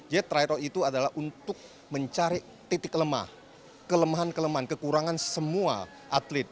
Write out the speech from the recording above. jadi tryout itu adalah untuk mencari titik kelemah kelemahan kelemahan kekurangan semua atlet